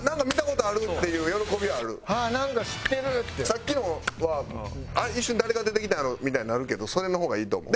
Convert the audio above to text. さっきのは一瞬誰が出てきたんやろうみたいになるけどそれの方がいいと思う。